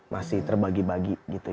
masih terbagi bagi gitu